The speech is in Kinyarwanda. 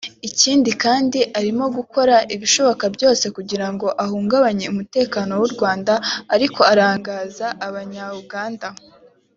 Ikindi kandi arimo gukora ibishoboka byose kugirango ahungabanye umutekano w’u Rwanda ariko arangaza abanyauganda